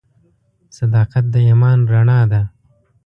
• صداقت د ایمان رڼا ده.